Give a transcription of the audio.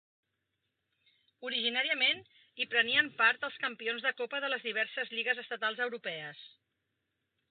Originàriament hi prenien part els campions de copa de les diverses lligues estatals europees.